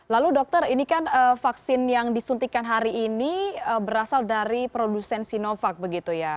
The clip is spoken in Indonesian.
lalu dokter ini kan vaksin yang disuntikan hari ini berasal dari produsen sinovac begitu ya